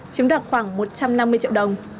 chiếm đoạt khoảng một trăm năm mươi triệu đồng